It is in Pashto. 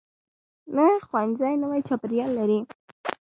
نوی ښوونځی نوی چاپیریال لري